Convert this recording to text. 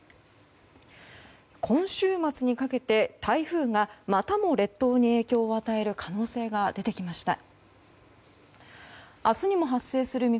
今週末にかけて台風がまたも列島に影響を与える可能性が出てきました。